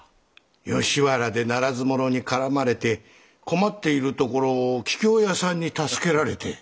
吉原でならず者に絡まれて困っているところを桔梗屋さんに助けられて。